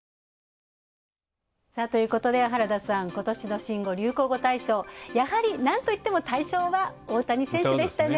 ということで原田さん、今年の新語・流行語大賞、やはりなんといっても大賞は大谷選手でしたね。